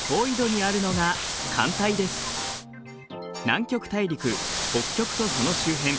南極大陸北極とその周辺